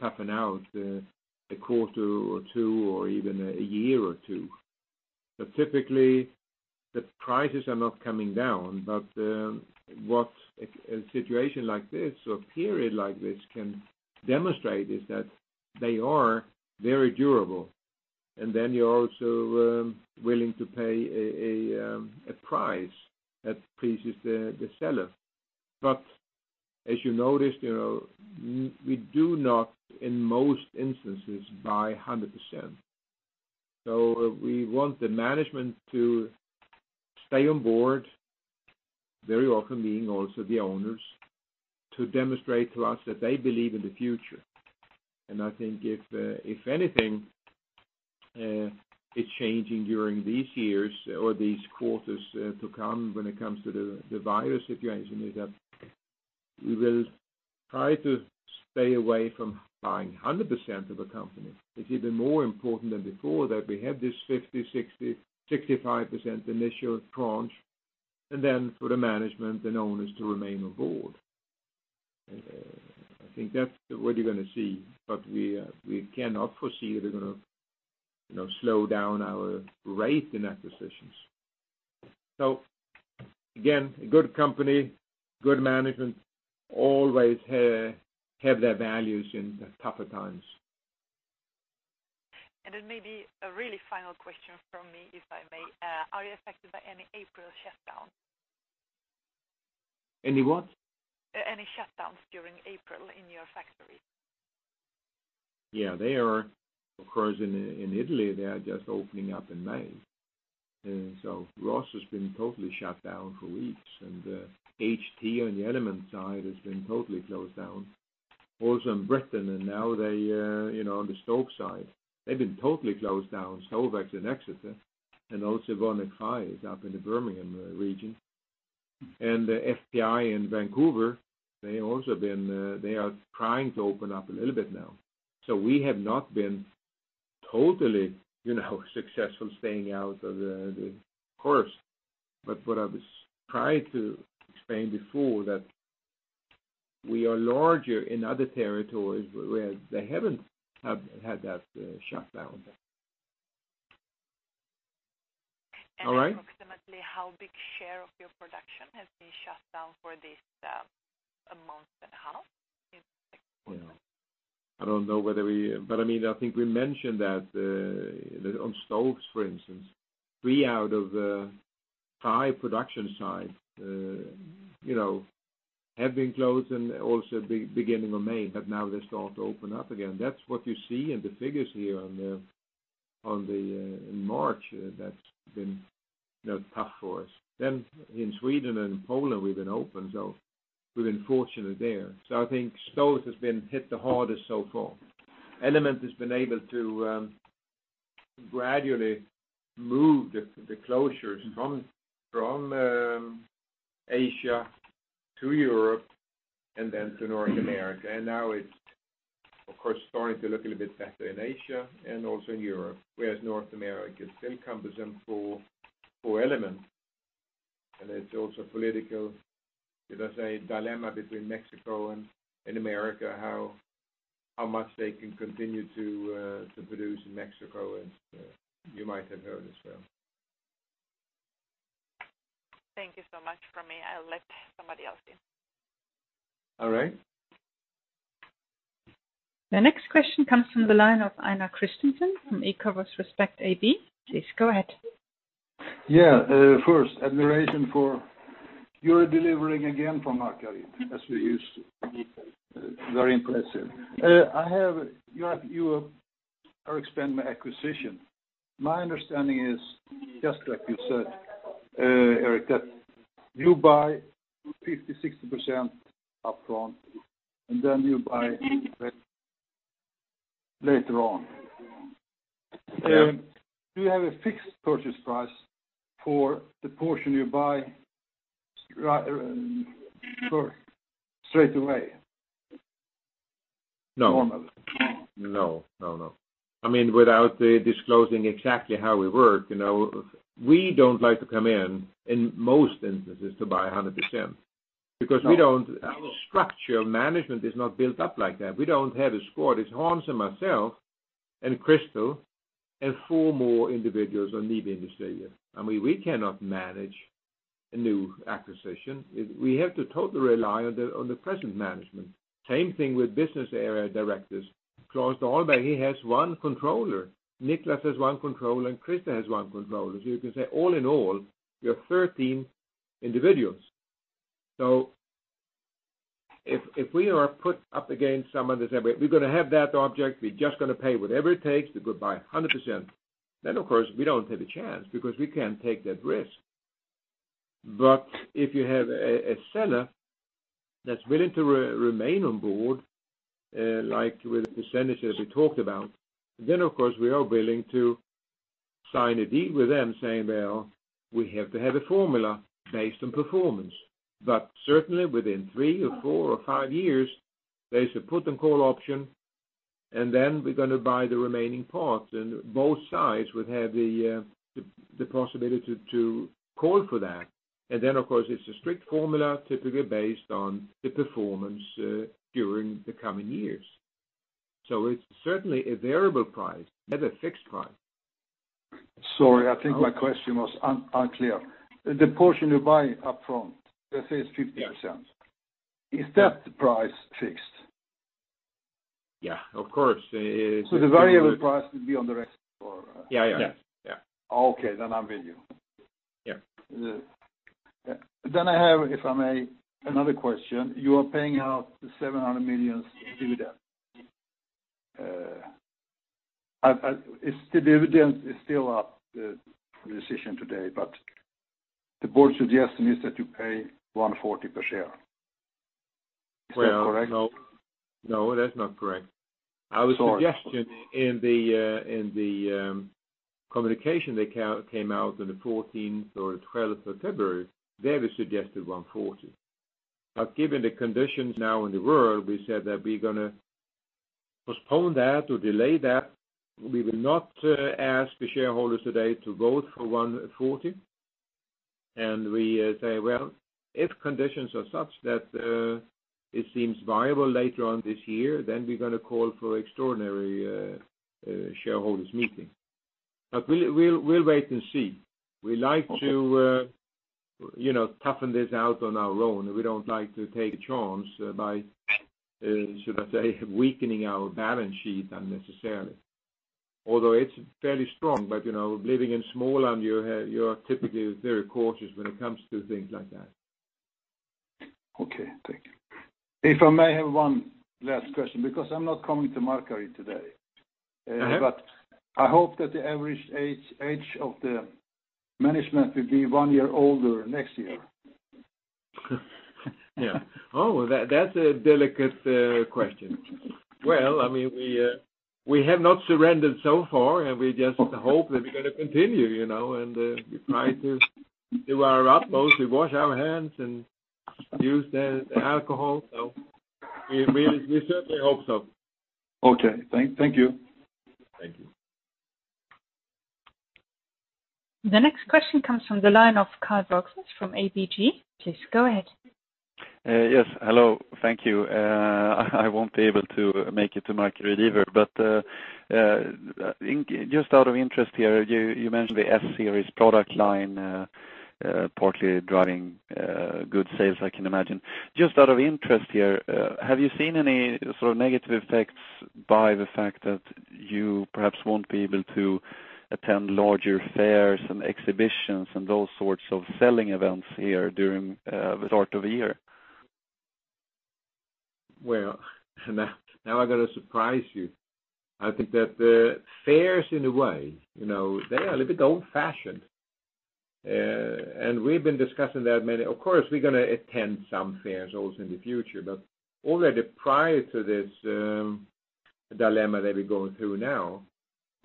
toughen out a quarter or two or even a year or two. Typically, the prices are not coming down. What a situation like this or a period like this can demonstrate is that they are very durable, and then you're also willing to pay a price that pleases the seller. As you noticed, we do not, in most instances, buy 100%. We want the management to stay on board, very often being also the owners, to demonstrate to us that they believe in the future. I think if anything is changing during these years or these quarters to come when it comes to the virus situation, is that we will try to stay away from buying 100% of a company. It's even more important than before that we have this 50%, 60%, 65% initial tranche, and then for the management and owners to remain on board. I think that's what you're going to see. We cannot foresee that we're going to slow down our rate in acquisitions. Again, a good company, good management always have their values in tougher times. Maybe a really final question from me, if I may. Are you affected by any April shutdowns? Any what? Any shutdowns during April in your factory? Yeah. Of course, in Italy, they are just opening up in May. ROS has been totally shut down for weeks, and HT on the NIBE Element side has been totally closed down. Also in the U.K., on the NIBE Stoves side, they've been totally closed down. Stovax in Exeter, and also Varde Ovne is up in the Birmingham region. FPI in Vancouver, they are trying to open up a little bit now. We have not been totally successful staying out of the course. What I was trying to explain before, that we are larger in other territories where they haven't had that shutdown. All right. Approximately how big share of your production has been shut down for this a month and a half in the second quarter? I don't know whether we I think we mentioned that on NIBE Stoves, for instance, three out of the five production sites have been closed also beginning of May, now they start to open up again. That's what you see in the figures here in March, that's been tough for us. In Sweden and Poland, we've been open, so we've been fortunate there. I think NIBE Stoves has been hit the hardest so far. NIBE Element has been able to gradually move the closures from Asia to Europe then to North America. Now it's, of course, starting to look a little bit better in Asia also in Europe, whereas North America, it's still cumbersome for NIBE Element. It's also a political, did I say, dilemma between Mexico and America, how much they can continue to produce in Mexico, as you might have heard as well. Thank you so much from me. I'll let somebody else in. All right. The next question comes from the line of Einar Kristensen from Eikerås Aktieanalys. Please go ahead. Yeah. First, admiration for your delivering again for Markaryd, as we're used to. Very impressive. You are expanding my acquisition. My understanding is, just like you said, Erik, that you buy 50, 60% upfront, and then you buy back later on. Yeah. Do you have a fixed purchase price for the portion you buy straight away? No. Normally. No. Without disclosing exactly how we work, we don't like to come in most instances, to buy 100%. Our structure, management is not built up like that. We don't have a squad. It's Hans and myself and Christer and four more individuals on Nibe Industrier. We cannot manage a new acquisition. We have to totally rely on the present management. Same thing with business area directors [Claes de Holbeck], he has one controller. Niklas has one controller, and Christer has one controller. You can say all in all, we have 13 individuals. If we are put up against someone that's saying, "We're going to have that object. We're just going to pay whatever it takes to go buy 100%," then of course, we don't have a chance because we can't take that risk. If you have a seller that's willing to remain on board, like with the percentages we talked about, then of course, we are willing to sign a deal with them saying, "Well, we have to have a formula based on performance." Certainly within three or four or five years, there's a put and call option, and then we're going to buy the remaining parts, and both sides would have the possibility to call for that. Then, of course, it's a strict formula, typically based on the performance during the coming years. It's certainly a variable price, never a fixed price. Sorry, I think my question was unclear. The portion you buy up front, let's say it's 50%. Yeah Is that price fixed? Yeah, of course. The variable price would be on the rest or? Yeah. Okay. I'm with you. Yeah. I have, if I may, another question. You are paying out the 700 million dividend. The dividend is still up for decision today, but the board's suggestion is that you pay 140 per share. Is that correct? Well, no. No, that's not correct. Sorry. Our suggestion in the communication that came out on the 14th or 12th of February, there, we suggested 1.40. Given the conditions now in the world, we said that we're going to postpone that or delay that. We will not ask the shareholders today to vote for 140. We say, well, if conditions are such that it seems viable later on this year, then we're going to call for extraordinary shareholders meeting. We'll wait and see. Okay toughen this out on our own. We don't like to take chance by, should I say, weakening our balance sheet unnecessarily. Although it's fairly strong, but living in Småland, you are typically very cautious when it comes to things like that. Okay, thank you. If I may have one last question, because I'm not coming to Markaryd today. I hope that the average age of the management will be one year older next year. Yeah. Oh, that's a delicate question. Well, we have not surrendered so far, and we just hope that we're going to continue. We try to do our utmost. We wash our hands and use the alcohol. We certainly hope so. Okay. Thank you. Thank you. The next question comes from the line of Carl-Oscar Green from ABG. Please go ahead. Yes, hello. Thank you. I won't be able to make it to Markaryd either. Just out of interest here, you mentioned the S-Series product line, powerfully driving good sales, I can imagine. Just out of interest here, have you seen any sort of negative effects by the fact that you perhaps won't be able to attend larger fairs and exhibitions and those sorts of selling events here during the start of a year? Well, now I'm going to surprise you. I think that fairs, in a way, they are a little bit old-fashioned. We've been discussing that many Of course, we're going to attend some fairs also in the future. Already prior to this dilemma that we're going through now,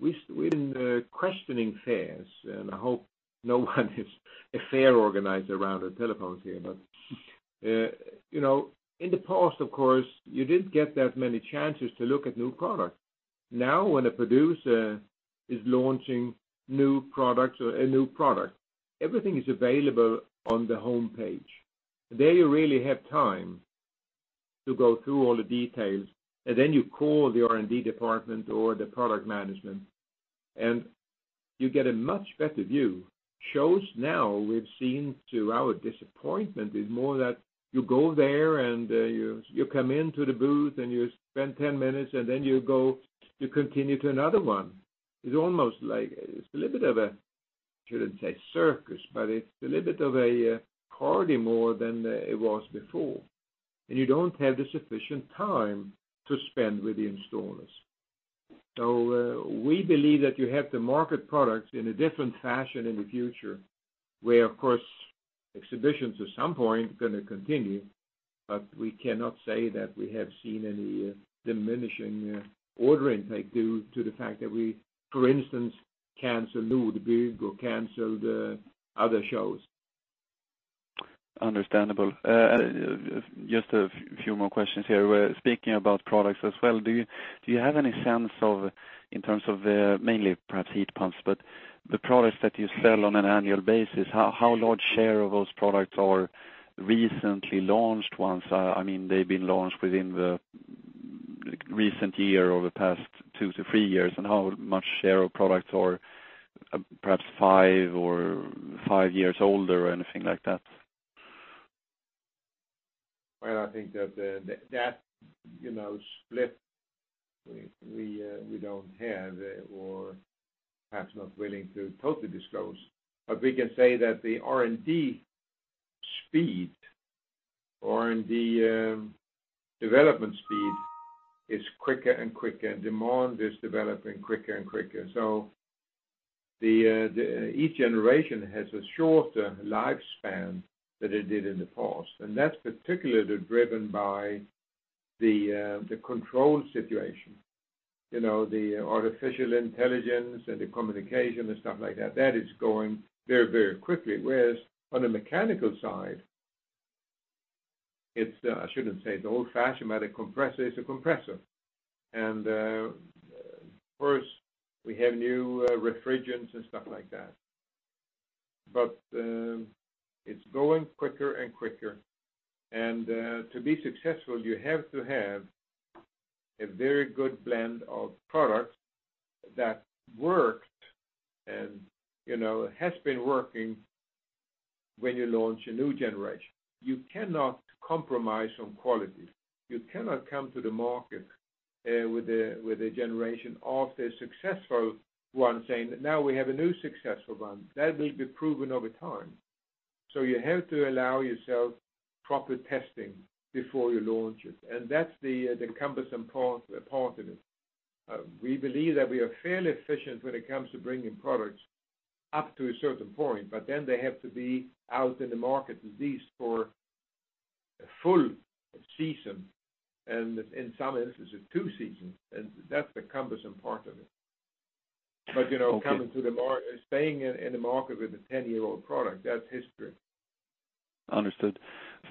we've been questioning fairs, and I hope no one is a fair organizer around the telephones here. In the past, of course, you didn't get that many chances to look at new products. Now, when a producer is launching a new product, everything is available on the home page. There you really have time to go through all the details, and then you call the R&D department or the product management, and you get a much better view. Shows now, we've seen to our disappointment, is more that you go there, and you come into the booth, and you spend 10 minutes, and then you go to continue to another one. It's a little bit of a, I shouldn't say circus, but it's a little bit of a party more than it was before. You don't have the sufficient time to spend with the installers. We believe that you have to market products in a different fashion in the future, where, of course, exhibitions at some point are going to continue. We cannot say that we have seen any diminishing order intake due to the fact that we, for instance, canceled MCE, we canceled other shows. Understandable. Just a few more questions here. Speaking about products as well, do you have any sense of, in terms of mainly perhaps heat pumps, but the products that you sell on an an annual basis, how large share of those products are recently launched ones? They've been launched within the recent year or the past two to three years, and how much share of products are perhaps five years older or anything like that? Well, I think that split, we don't have or perhaps not willing to totally disclose. We can say that the R&D speed, R&D development speed is quicker and quicker. Demand is developing quicker and quicker. Each generation has a shorter lifespan than it did in the past, and that's particularly driven by the control situation. The artificial intelligence and the communication and stuff like that is going very, very quickly. Whereas on the mechanical side, I shouldn't say it's old-fashioned, but a compressor is a compressor. Of course, we have new refrigerants and stuff like that. It's going quicker and quicker, and to be successful, you have to have a very good blend of products that worked and has been working when you launch a new generation. You cannot compromise on quality. You cannot come to the market with a generation after a successful one, saying that now we have a new successful one. That will be proven over time. You have to allow yourself proper testing before you launch it. That's the cumbersome part in it. We believe that we are fairly efficient when it comes to bringing products up to a certain point, but then they have to be out in the market at least for a full season, and in some instances two seasons, and that's the cumbersome part of it. Okay. Staying in the market with a 10-year-old product, that's history. Understood.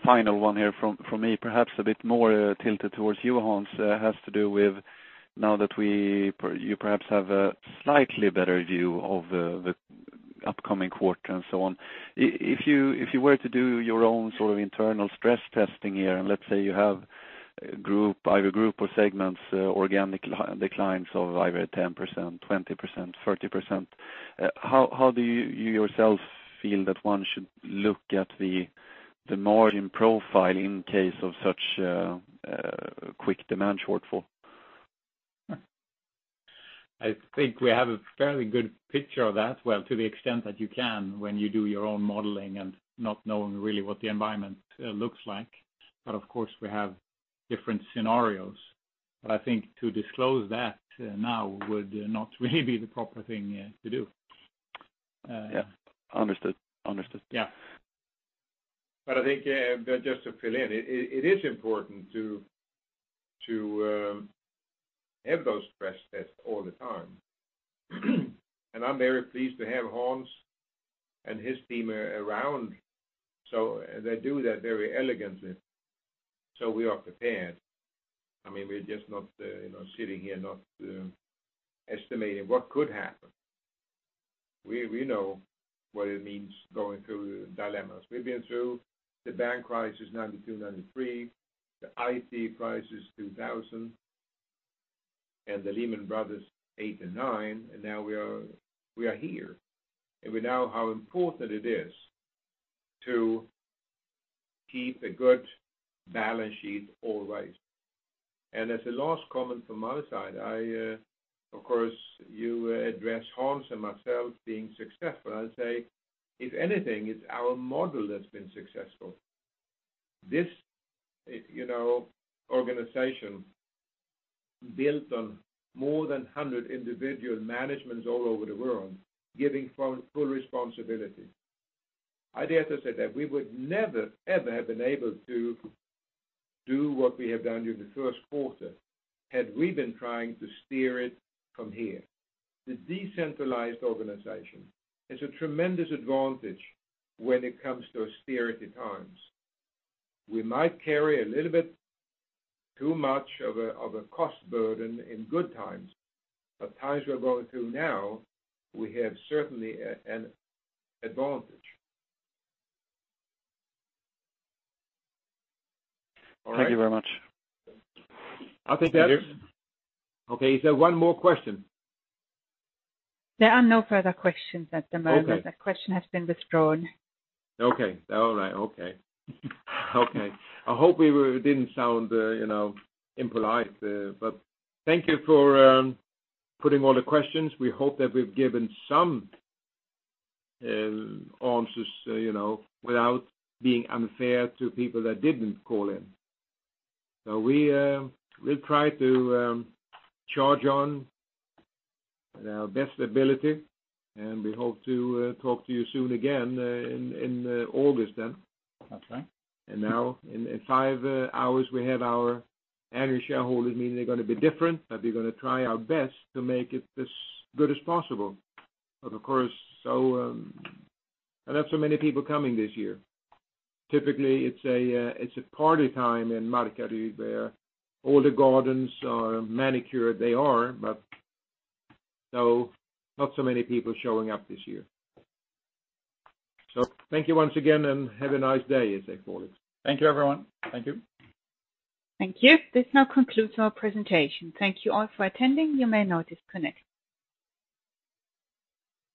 Final one here from me, perhaps a bit more tilted towards you, Hans. It has to do with now that you perhaps have a slightly better view of the upcoming quarter and so on. If you were to do your own sort of internal stress testing here, let's say you have either group or segments, organic declines of either 10%, 20%, 30%. How do you yourself feel that one should look at the margin profile in case of such a quick demand shortfall? I think we have a fairly good picture of that, well, to the extent that you can when you do your own modeling and not knowing really what the environment looks like. Of course, we have different scenarios. I think to disclose that now would not really be the proper thing to do. Yeah. Understood. Yeah. I think, just to fill in, it is important to have those stress tests all the time. I'm very pleased to have Hans and his team around. They do that very elegantly, so we are prepared. We're just not sitting here not estimating what could happen. We know what it means going through dilemmas. We've been through the bank crisis 1992, 1993, the IT crisis 2000, and the Lehman Brothers 2008 and 2009, and now we are here, and we know how important it is to keep a good balance sheet always. As a last comment from my side, of course, you address Hans and myself being successful. I'll say, if anything, it's our model that's been successful. This organization built on more than 100 individual managements all over the world, giving full responsibility. I dare to say that we would never, ever have been able to do what we have done during the first quarter had we been trying to steer it from here. The decentralized organization is a tremendous advantage when it comes to volatile times. We might carry a little bit too much of a cost burden in good times, but times we are going through now, we have certainly an advantage. All right. Thank you very much. I think that- Okay. Is there one more question? There are no further questions at the moment. Okay. A question has been withdrawn. Okay. All right. Okay. I hope we didn't sound impolite. Thank you for putting all the questions. We hope that we've given some answers without being unfair to people that didn't call in. We'll try to charge on in our best ability, and we hope to talk to you soon again in August then. That's right. Now in five hours, we have our annual shareholders meeting. They're going to be different, but we're going to try our best to make it as good as possible. Of course, I don't have so many people coming this year. Typically, it's a party time in Markaryd where all the gardens are manicured. They are, but not so many people showing up this year. Thank you once again, and have a nice day, as they call it. Thank you, everyone. Thank you. Thank you. This now concludes our presentation. Thank you all for attending. You may now disconnect.